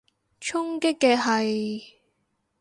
衝擊嘅係？